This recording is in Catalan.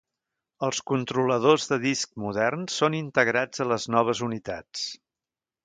Els controladors de disc moderns són integrats a les noves unitats.